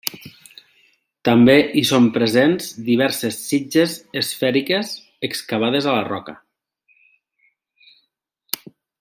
També hi són presents diverses sitges esfèriques, excavades a la roca.